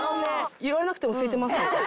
言われなくてもすいてます。